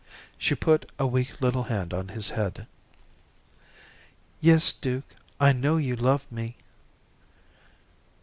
She put a weak little hand on his head. "Yes, Dukie, I know you love me."